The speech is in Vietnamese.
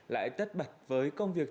lại tất bật với công việc